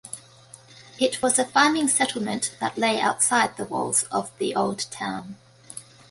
It was a farming settlement that lay outside the walls of the old town.